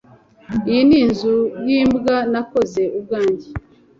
Iyi ni inzu yimbwa nakoze ubwanjye.